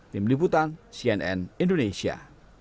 tim liputan cnn indonesia